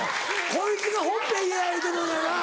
こいつがほっぺ嫌や言うてるのにやな。